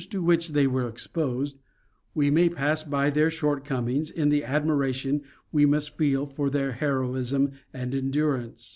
to which they were exposed, we may pass by their shortcomings in the admiration we must feel for their heroism and endurance.